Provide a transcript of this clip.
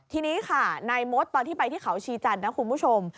ทีนี้ค่ะนายมดตอนที่ไปที่เขาชีจันทร์นะคุณผู้ชม